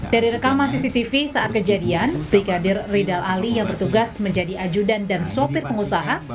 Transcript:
dari rekaman cctv saat kejadian brigadir ridal ali yang bertugas menjadi ajudan dan sopir pengusaha